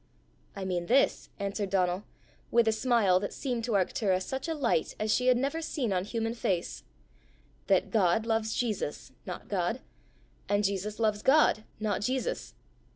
"I mean this," answered Donal, with a smile that seemed to Arctura such a light as she had never seen on human face, " that God loves Jesus, not God; and Jesus loves God, not Jesus.